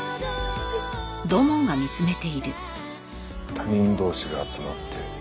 他人同士が集まって。